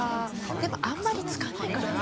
でもあんまりつかないかな。